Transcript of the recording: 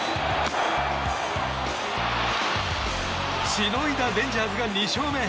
しのいだレンジャーズが２勝目。